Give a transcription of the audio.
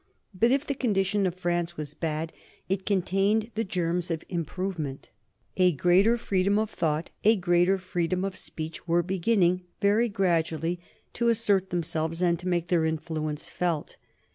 But if the condition of France was bad it contained the germs of improvement. A greater freedom of thought, a greater freedom of speech were beginning, very gradually, to assert themselves and to make their influence felt.